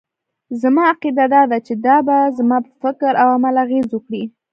زما عقيده دا ده چې دا به زما پر فکراو عمل اغېز وکړي.